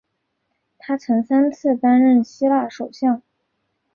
他曾三次担任希腊首相。